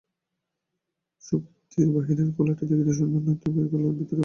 শুক্তির বাহিরের খোলাটি দেখিতে সুন্দর নয়, তবে ঐ খোলার ভিতর তো মুক্তা রহিয়াছে।